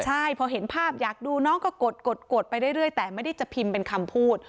ใช่พอเห็นภาพอยากดูน้องก็กดไปเรื่อยแต่ไม่ได้จะพิมพ์เป็นคำพูด